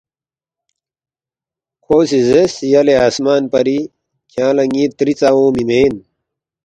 کھو سی زیرس، ”یلے آسمان پری کھیانگ لہ ن٘ی تری ژا اونگمی مین